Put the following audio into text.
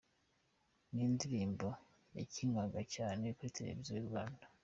Ni indirimbo yakinwaga cyane kuri Televiziyo y’u Rwanda.